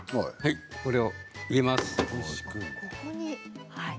これを入れます。